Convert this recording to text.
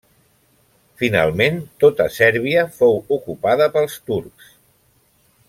Finalment tota Sèrbia fou ocupada pels turcs.